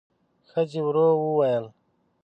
ښځې ورو وويل: